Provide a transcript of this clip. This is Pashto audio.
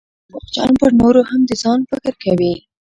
درواغجن پرنورو هم دځان فکر کوي